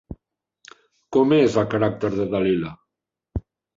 Com és el caràcter de Dalila?